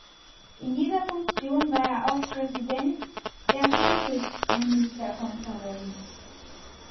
In dieser Funktion war er auch Präsident der Kultusministerkonferenz.